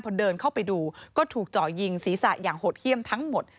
พอเดินเข้าไปดูก็ถูกจ่อยิงศีรษะอย่างโหดเยี่ยมทั้งหมด